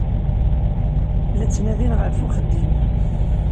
La ttnadin ɣef uxeddim.